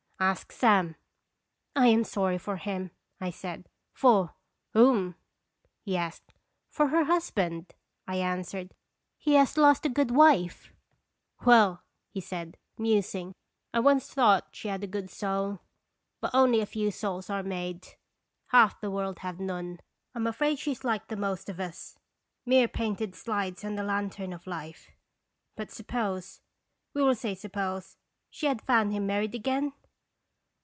" Ask Sam." " I am sorry for him," I said. " For whom?" he asked. " For her husband," I answered. " He has lost a good wife." " Well," he said, musing, " I once thought she had a soul. But only a few souls are made. Half the world have none. I 'm afraid she was like the most of us, mere painted slides on the lantern of Life. But suppose we will say suppose she had found him married again?"